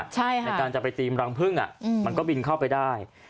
ในการจะไปตีมรังพึ่งมันก็บินเข้าไปได้